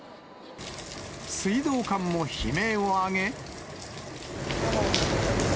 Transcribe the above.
水道管も悲鳴を上げ。